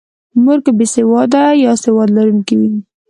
مور که بې سواده یا سواد لرونکې وي.